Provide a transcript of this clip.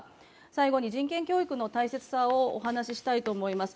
最後に人権教育の大切さをお話ししたいと思います。